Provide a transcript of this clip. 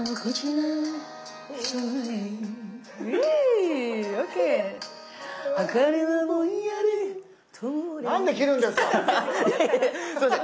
なんで切るんですか！